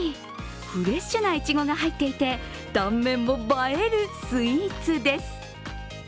フレッシュないちごが入っていて断面も映えるスイーツです。